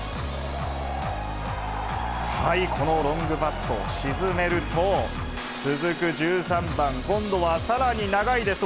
このロングパットを沈めると、続く１３番、今度はさらに長いです。